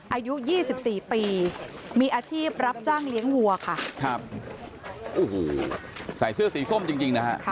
อายุ๒๔ปีมีอาชีพรับจ้างเลี้ยงหัวใส่เสื้อสีส้มจริงนะ